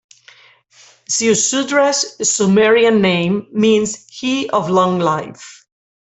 Ziusudra's Sumerian name means "He of long life".